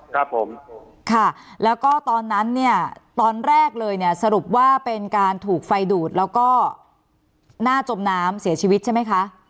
ครับผมค่ะแล้วก็ตอนนั้นเนี่ยตอนแรกเลยเนี่ยสรุปว่าเป็นการถูกไฟดูดแล้วก็หน้าจมน้ำเสียชีวิตใช่ไหมคะ